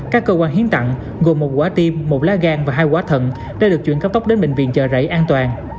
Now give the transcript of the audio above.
các cơ quan hiến tặng gồm một quả tim một lá gan và hai quả thận đã được chuyển cấp tốc đến bệnh viện trợ rãi an toàn